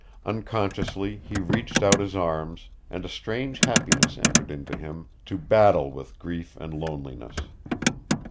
Unconsciously he reached out his arms, and a strange happiness entered Into him to battle with grief and loneliness.